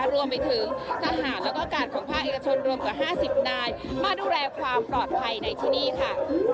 รวมไปถึงทหารแล้วก็กาดของภาคเอกชนรวมกว่า๕๐นายมาดูแลความปลอดภัยในที่นี่ค่ะ